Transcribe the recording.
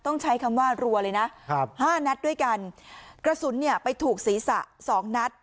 ต้องใช้คำว่ารัวเลยนะครับห้านัดด้วยกันกระสุนเนี่ยไปถูกศีรษะสองนัด